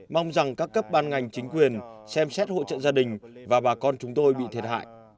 mong rằng các cấp ban ngành chính quyền xem xét hỗ trợ gia đình và bà con chúng tôi bị thiệt hại